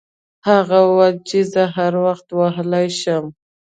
هغه وویل چې زه هر درخت وهلی شم.